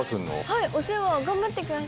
はいお世話を頑張ってください。